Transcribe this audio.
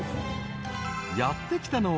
［やって来たのは］